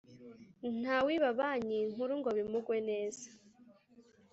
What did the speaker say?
Ntawiba banki nkuru ngo bimugwe neza